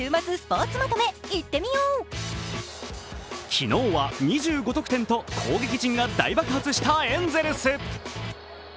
昨日は２５得点と攻撃陣が大爆発したエンゼルス。